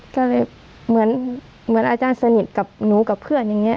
ก็เลยเหมือนอาจารย์สนิทกับหนูกับเพื่อนอย่างนี้